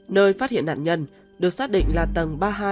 nơi phát hiện nạn nhân được xác định là tầng ba hai